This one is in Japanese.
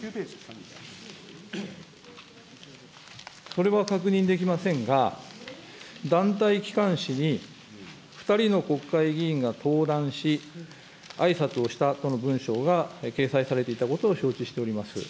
それは確認できませんが、団体きかんしに２人の国会議員が登壇し、あいさつをしたとの文章が掲載されていたことを承知しております。